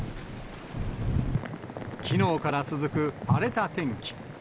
きのうから続く荒れた天気。